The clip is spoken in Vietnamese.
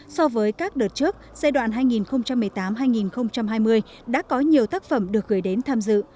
so với các đợt trước giai đoạn hai nghìn một mươi tám hai nghìn hai mươi đã có nhiều tác phẩm được gửi đến tham dự